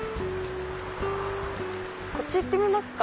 こっち行ってみますか。